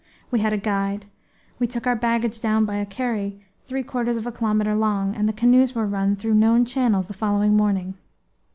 We had a guide; we took our baggage down by a carry three quarters of a kilometre long; and the canoes were run through known channels the following morning.